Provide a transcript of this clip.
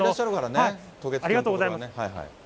ありがとうございます。